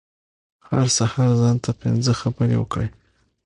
هر سهار ځان ته پنځه خبرې وکړئ .